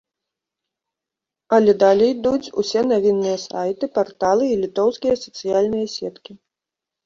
Але далей ідуць усе навінныя сайты, парталы і літоўскія сацыяльныя сеткі.